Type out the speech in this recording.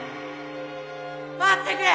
待ってくれ！